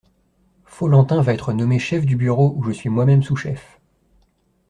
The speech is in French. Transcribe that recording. Follentin va être nommé chef du bureau où je suis moi-même sous-chef !